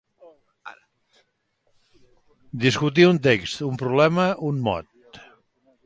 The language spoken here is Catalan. Discutir un text, un problema, un mot.